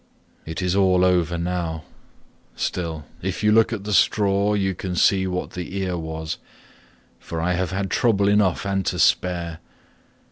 It is all over now; still, if you look at the straw you can see what the ear was, for I have had trouble enough and to spare.